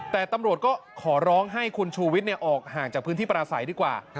แต่ตำรวจก็ขอร้องให้คุณชูวิทย์ออกห่างจากพื้นที่ปราศัยดีกว่า